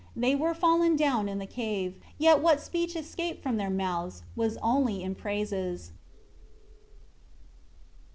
They were fallen down in the cave; yet what speech escaped from their mouths, was only in praises.